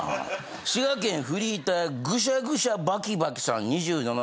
滋賀県フリーターグシャグシャバキバキさん２７歳男性。